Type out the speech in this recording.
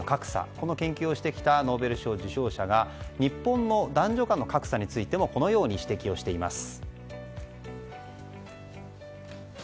この研究をしてきたノーベル賞受賞者が日本の男女間の格差についてもこのように指摘をしています。